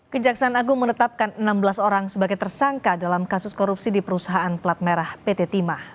kejaksaan agung menetapkan enam belas orang sebagai tersangka dalam kasus korupsi di perusahaan plat merah pt timah